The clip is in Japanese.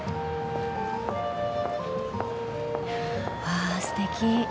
わあすてき。